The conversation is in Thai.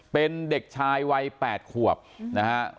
เป็นเด็กชายวัย๘ขวบนะฮะ